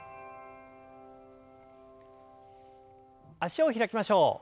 脚を開きましょう。